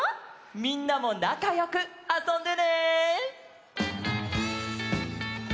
みんなもなかよくあそんでね！